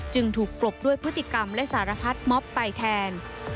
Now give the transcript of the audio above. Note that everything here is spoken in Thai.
จึงถูกกลบด้วยพฤติกรรมและสารพัดม็อบไปแทน